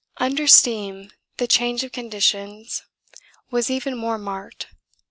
Under steam the change of conditions was even more marked.